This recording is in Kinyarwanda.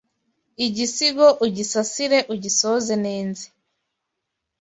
Igisigo ugisasire ugisoze nenze